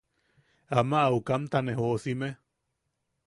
Ama aukamta ne joʼosime.